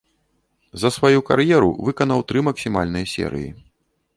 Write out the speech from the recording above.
За сваю кар'еру выканаў тры максімальныя серыі.